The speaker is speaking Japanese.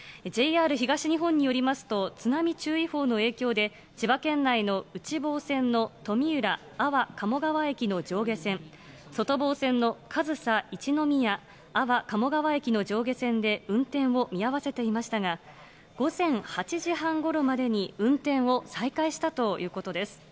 ＪＲ東日本によりますと、津波注意報の影響で、千葉県内の内房線の富浦・安房鴨川駅の上下線、外房線の上総一ノ宮・安房鴨川駅の上下線で運転を見合わせていましたが、午前８時半ごろまでに運転を再開したということです。